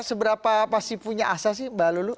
seberapa pasti punya asa sih mbak lulu